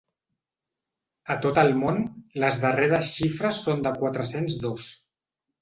A tot el món, les darreres xifres són de quatre-cents dos.